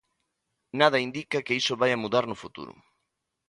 Nada indica que iso vaia mudar no futuro.